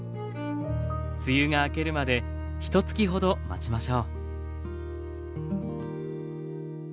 梅雨が明けるまでひとつきほど待ちましょう。